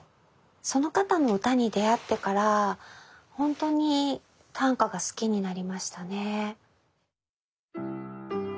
その方の歌に出会ってからほんとに短歌が好きになりましたね。